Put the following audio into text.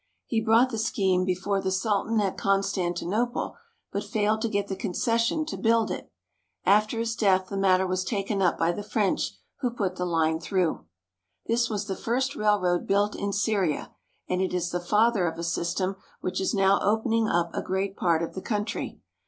" He brought the scheme before the Sultan at Constantinople, but failed to get the concession to build it. After his death the matter was taken up by the French, who put the line through. This was the first railroad built in Syria, and it is the father of a system which is now opening up a great part of the country.